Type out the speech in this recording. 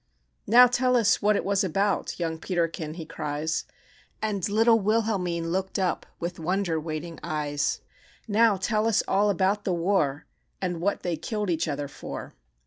"Now tell us what it was about," Young Peterkin he cries; And little Wilhelmine looked up, With wonder waiting eyes "Now tell us all about the war, And what they killed each other for."